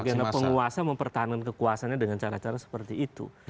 politik bagian penguasa mempertahankan kekuasanya dengan cara cara seperti itu